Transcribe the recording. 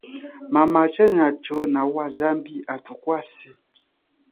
Mama, chenacho nawa, zambi athukwase.